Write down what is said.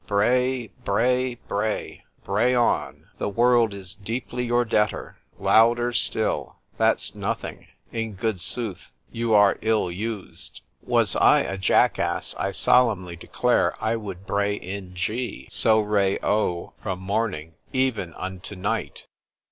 ——Bray bray—bray. Bray on,—the world is deeply your debtor;——louder still—that's nothing:—in good sooth, you are ill used:——Was I a Jack Asse, I solemnly declare, I would bray in G sol re ut from morning, even unto night.